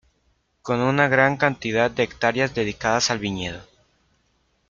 Con una gran cantidad de hectáreas dedicadas al viñedo.